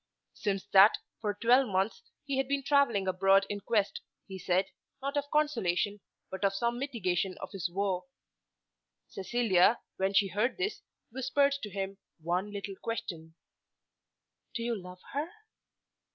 Since that, for twelve months he had been travelling abroad in quest, he said, not of consolation, but of some mitigation of his woe. Cecilia, when she heard this, whispered to him one little question, "Do you love her?"